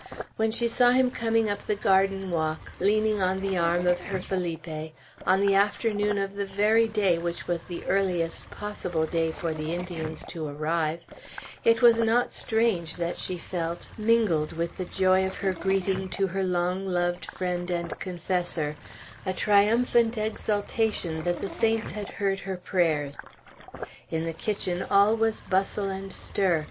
When she saw him coming up the garden walk, leaning on the arm of her Felipe, on the afternoon of the very day which was the earliest possible day for the Indians to arrive, it was not strange that she felt, mingled with the joy of her greeting to her long loved friend and confessor, a triumphant exultation that the saints had heard her prayers. In the kitchen all was bustle and stir.